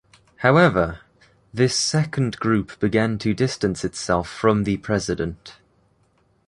However, this second group began to distance itself from the President.